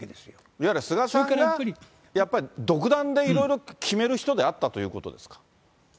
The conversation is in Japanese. いわゆる菅さんが、やっぱり独断でいろいろ決める人であったということですか。